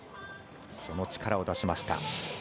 その力を出しました。